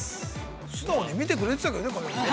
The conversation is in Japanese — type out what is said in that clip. ◆素直に見てくれてたけどね。